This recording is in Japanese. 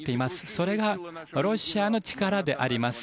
それがロシアの力であります。